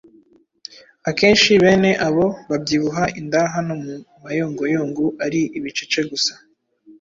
Akenshi bene abo babyibuha inda naho mu mayunguyungu ari ibicece gusa.